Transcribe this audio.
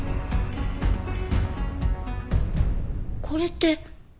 これって。